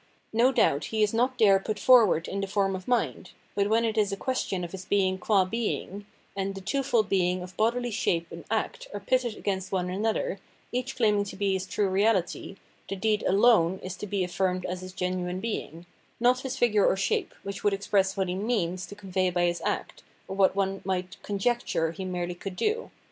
No doubt he is not there put forward in the form of mind ; but when it is a question of his being qua being, and the twofold being of bodily shape and act are pitted against one another, each claim ing to be his true reahty, the deed alone is to be affirmed as his genuine being — not his figure or shape, which would express what he " means " to convey by his acts, or what any one might "conjecture" he merely could do.